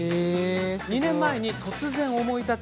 ２年前に突然思い立ち